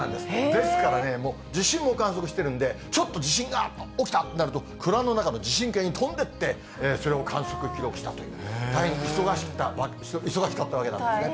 ですからね、地震も観測してるんで、ちょっと地震が起きたってなると、蔵の中の地震計に飛んでいって、それを観測記録したという、大変忙しかったわけなんですね。